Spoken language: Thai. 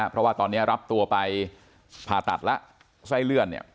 เพราะว่าตอนนี้รับตัวไปผ่าตัดแล้วไส้เลื่อนเนี่ย